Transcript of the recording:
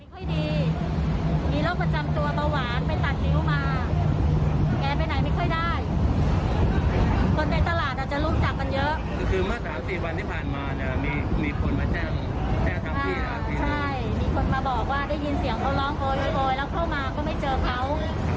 คิดว่าเขาจะเอาอะไรยังไงคิดว่าเขาไม่อยู่